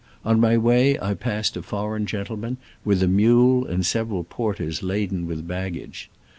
On my way I passed a foreign gentleman, with a mule and several porters laden with baggage.